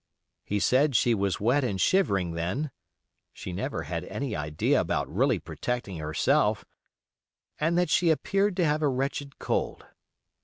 He said she was wet and shivering then (she never had any idea about really protecting herself), and that she appeared to have a wretched cold.